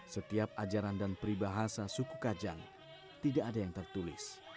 setiap ajaran dan peribahasa suku kajang tidak ada yang tertulis